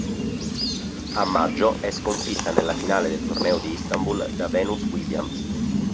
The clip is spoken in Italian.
A maggio è sconfitta nella finale del torneo di Istanbul da Venus Williams.